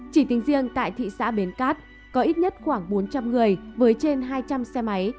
chỉ tính riêng tại thị xã bến cát có ít nhất khoảng bốn trăm linh người với trên hai trăm linh xe máy